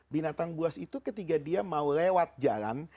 binatang buas itu ketika dia mau lewat jalan